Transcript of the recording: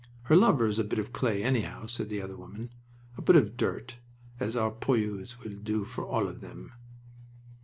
"Her lover is a bit of clay, anyhow," said the other woman. "A bit of dirt, as our poilus will do for all of them."